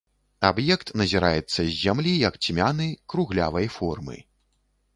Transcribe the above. Аб'ект назіраецца з зямлі як цьмяны, круглявай формы.